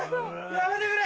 やめてくれ！